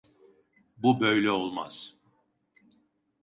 Bu böyle olmaz.